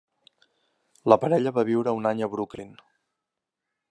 La parella va viure un any a Brooklyn.